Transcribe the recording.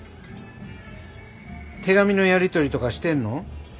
手紙のやり取りとかしてんの？